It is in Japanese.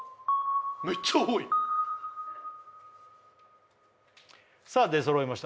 メッチャ多いさあ出そろいました